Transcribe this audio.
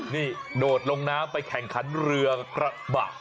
นี่โดดลงน้ำไปแข่งขันเรือกระบะ